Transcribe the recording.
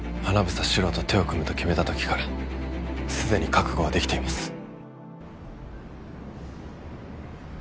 英獅郎と手を組むと決めた時からすでに覚悟は出来ています。